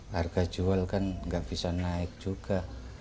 harga jual kan nggak bisa naik juga